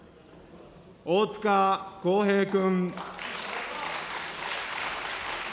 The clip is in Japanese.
大塚耕平君。